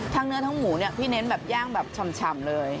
เนื้อทั้งหมูเนี่ยพี่เน้นแบบย่างแบบฉ่ำเลย